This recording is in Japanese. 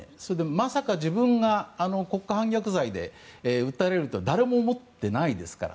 まさか自分が国家反逆罪で訴えられるとは誰も思ってないですから。